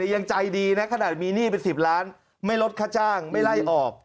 ยังใจดีนะขนาดมีหนี้เป็น๑๐ล้านไม่ลดค่าจ้างไม่ไล่ออก